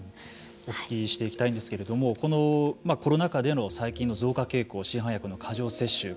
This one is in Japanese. お聞きしていきたいんですけれどもこのコロナ禍での最近の増加傾向市販薬の過剰摂取